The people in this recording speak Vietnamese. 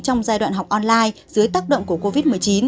trong giai đoạn học online dưới tác động của covid một mươi chín